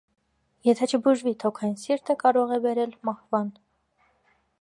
Եթե չբուժվի թոքային սիրտը կարող է բերել մահվան։